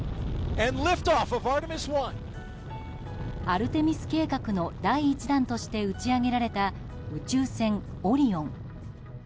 アルテミス計画の第１弾として打ち上げられた宇宙船「オリオン」。